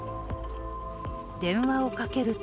電話をかけると